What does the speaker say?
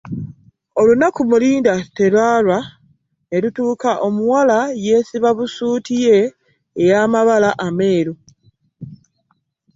Olunaku mulindwa terwalwa ne lutuuka omuwala yeesiba busuuti ye ey'amabala ameeru.